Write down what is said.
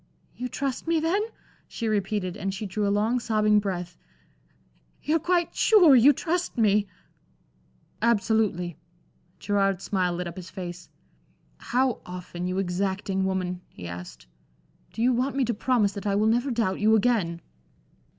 "You trust me, then?" she repeated, and she drew a long sobbing breath. "You're quite sure you trust me?" "Absolutely." Gerard's smile lit up his face. "How often, you exacting woman," he asked, "do you want me to promise that I will never doubt you again."